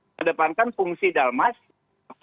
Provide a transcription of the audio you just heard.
mendepankan fungsi dalmat